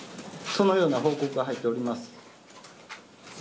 そのような報告が入っております。